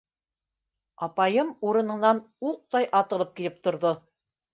Апайым урынынан уҡтай атылып килеп торҙо.